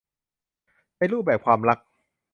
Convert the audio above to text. ในรูปแบบความรัก